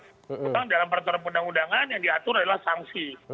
hanya dalam peraturan pendahun undangan yang diatur adalah sanksi